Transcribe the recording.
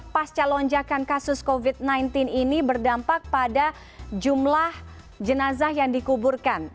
pasca lonjakan kasus covid sembilan belas ini berdampak pada jumlah jenazah yang dikuburkan